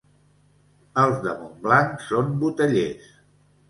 Els de Montblanc són botellers.